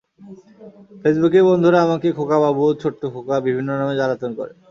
ফেসবুকে বন্ধুরা আমাকে খোকা বাবু, ছোট্ট খোকা বিভিন্ন নামে জ্বালাতন করে।